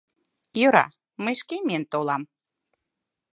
Йӧра, мый шке миен толам.